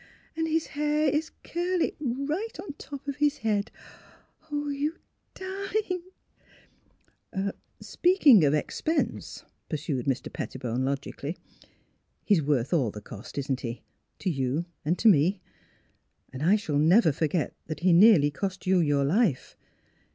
And his hair is curly right on top of his head. ... Oh, you darling! " 68 NEIGHBORS " Speaking of expense," pursued Mr. Pettibone logically. " He's worth all he cost isn't he? to you and to me. ... And I shall never for get that he nearly cost you your life.